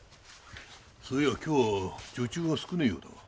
そういや今日は女中が少ねえようだが。